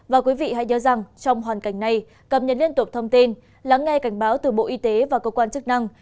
và quý vị hãy nhớ rằng trong hoàn cảnh này cập nhật liên tục thông tin lắng nghe cảnh báo từ bộ y tế và cơ quan chức năng